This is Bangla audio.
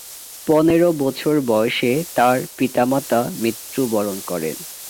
পনেরো বছর বয়সে তার পিতা-মাতা মৃত্যুবরণ করেন।